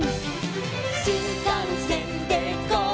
「しんかんせんでゴー！